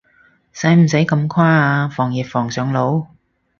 使唔使咁誇啊，防疫防上腦？